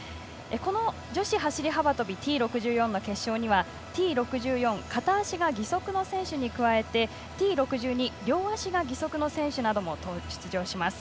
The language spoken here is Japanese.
女子走り幅跳びＴ６４の決勝にはＴ６４片足が義足の選手に加えてＴ６２両足が義足の選手なども出場します。